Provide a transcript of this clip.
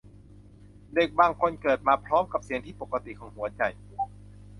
เด็กบางคนเกิดมาพร้อมกับเสียงที่ผิดปกติของหัวใจ